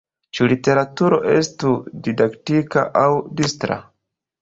Ĉu literaturo estu didaktika aŭ distra?